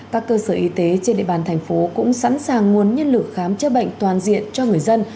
thế trên địa bàn thành phố cũng sẵn sàng nguồn nhân lửa khám chữa bệnh toàn diện cho người dân